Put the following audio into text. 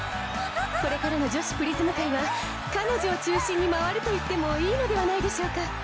これからの女子プリズム界は彼女を中心に回ると言ってもいいのではないでしょうか。